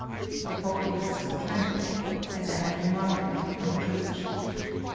The populace were tranquil, as I had remarked them on the 361 FRANCE bridge.